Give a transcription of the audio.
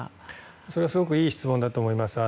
それはすごくいい質問だと思います。